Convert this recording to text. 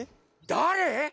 だれ？